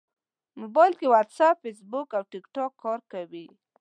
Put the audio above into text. موبایل کې واټساپ، فېسبوک او ټېکټاک کار کوي.